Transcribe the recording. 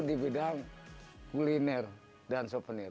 di bidang kuliner dan souvenir